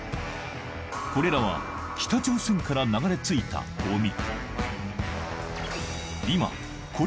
これらは北朝鮮から流れ着いたごみ。